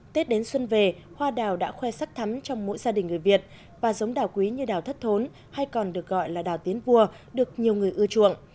tết đến xuân về hoa đào đã khoe sắc thắm trong mỗi gia đình người việt và giống đào quý như đào thất thốn hay còn được gọi là đào tiến vua được nhiều người ưa chuộng